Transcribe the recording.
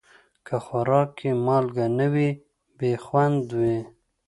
که خوراک کې مالګه نه وي، بې خوند وي.